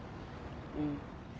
うん。